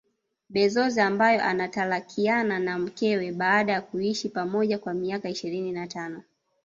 Bezoz ambaye anatalakiana na mkewe baada ya kuishi pamoja kwa miaka ishirini na tano